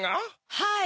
はい。